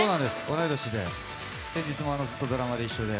同い年で、先日もずっとドラマで一緒で。